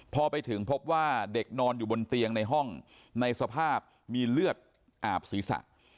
พอไปถึงพบว่าเด็กนอนอยู่บนเตียงในห้องในสภาพมีเลือดอาบศีรษะ